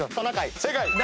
正解。